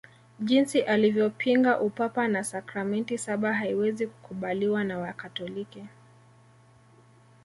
Jinsi alivyopinga Upapa na sakramenti saba haiwezi kukubaliwa na Wakatoliki